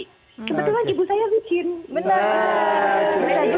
kebetulan ibu saya bikin